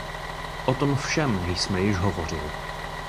O tom všem jsme již hovořili.